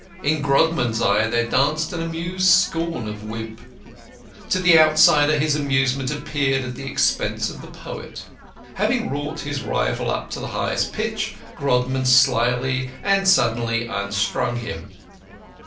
In Grodman's eye there danced an amused scorn of Wimp; to the outsider his amusement appeared at the expense of the poet. Having wrought his rival up to the highest pitch, Grodman slyly and suddenly unstrung him.